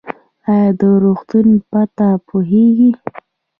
ایا د روغتون پته پوهیږئ؟